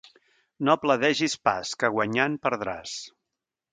No pledegis pas, que guanyant perdràs.